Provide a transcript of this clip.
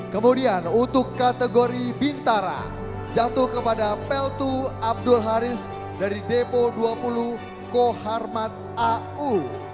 kemudian untuk kategori bintara jatuh kepada peltu abdul haris dari depo dua puluh koharmat au